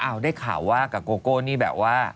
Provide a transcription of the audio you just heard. เอาได้ข่าวว่ากับโกโก้นี่แบบว่า